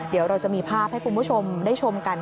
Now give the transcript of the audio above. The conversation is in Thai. เดี๋ยวเราจะมีภาพให้คุณผู้ชมได้ชมกัน